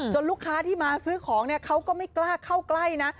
ลูกค้าที่มาซื้อของเขาก็ไม่กล้าเข้าใกล้นะ